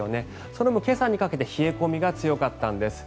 その分、今朝にかけて冷え込みが強かったんです。